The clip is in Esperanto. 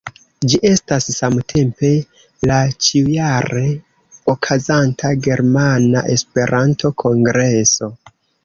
Ĝi estas samtempe la ĉiujare okazanta Germana Esperanto-Kongreso.